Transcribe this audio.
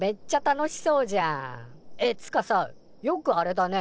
えつかさよくあれだね。